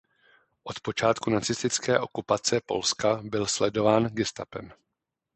Od počátku nacistické okupace Polska byl sledován gestapem.